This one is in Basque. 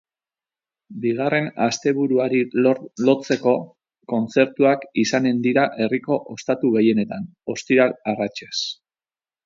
Bigarren asteburuari lotzeko, kontzertuak izanen dira herriko ostatu gehienetan, ostiral arratsez.